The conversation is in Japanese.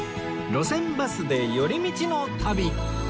『路線バスで寄り道の旅』